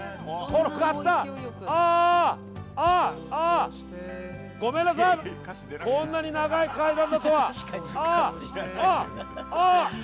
こんなに長い階段だとは。